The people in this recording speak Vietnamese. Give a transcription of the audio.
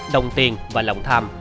đồng tiền và lòng tham